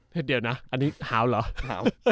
เห็นเดียวนะอันนี้หาวเหรอ